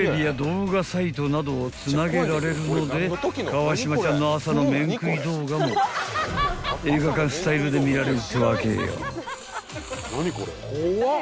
［川島ちゃんの朝の麺食い動画も映画館スタイルで見られるってわけよ］